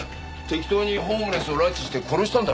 適当にホームレスを拉致して殺したんだろ？